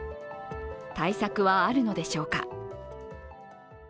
対策はあるのでしょうか。